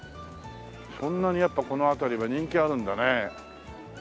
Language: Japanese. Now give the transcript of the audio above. そんなにやっぱこの辺りは人気あるんだね。